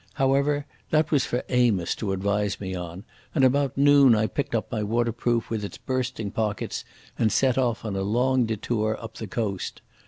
However, that was for Amos to advise me on, and about noon I picked up my waterproof with its bursting pockets and set off on a long detour up the coast.